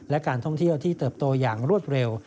และการท่องเที่ยวที่เติบโตอย่างรวดเร็ว